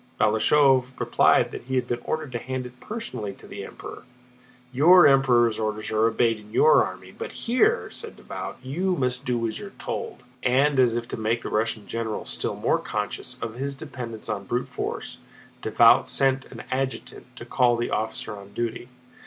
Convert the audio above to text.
Balashëv replied that he had been ordered to hand it personally to the Emperor. "Your Emperor's orders are obeyed in your army, but here," said Davout, "you must do as you're told." And, as if to make the Russian general still more conscious of his dependence on brute force, Davout sent an adjutant to call the officer on duty.